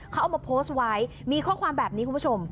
เขาเอามาโพสต์ไว้มีข้อความแบบนี้คุณผู้ชม